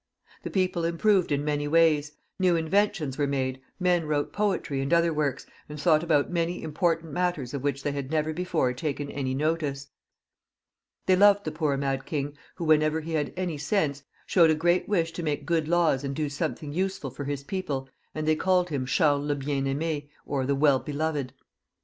The people improved in many ways ; new inventions were made, men wrote poetry and xxixj CHARLES VI. . 193 — I • I I II I I I I ,, I other works, and thought about many important matters of which they had never before taken any notice. They loved the poor mad king, who, whenever he had any sense, showed a great wish to make good laws, and do something useful for his people, and they called him Charles le Bien Aim^ or the Well beloved.